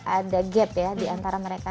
ada gap ya diantara mereka